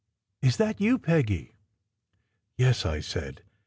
Is that you, Peggy? " "Yes," I said.